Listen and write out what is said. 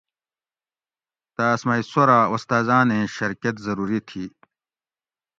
تاۤس مئ سوراۤ استاۤزاۤن ایں شرکت ضروری تھی